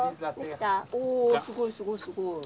おすごいすごいすごい。